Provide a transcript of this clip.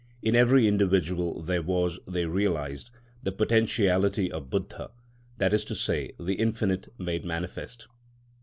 In every individual there was, they realised, the potentiality of Buddha—that is to say, the Infinite made manifest.